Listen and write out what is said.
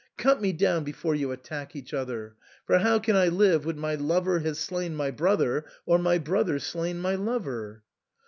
Cut me down before you attack each other ; for how can I live when my lover has slain my brother, or my brother slain my lover